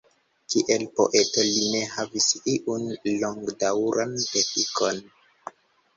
Kiel poeto li ne havis iun longdaŭran efikon.